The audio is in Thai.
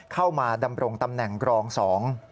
เข้ามาดำรงตำแหน่งกรองสอง